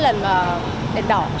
thạch sinh viên hồ phi bình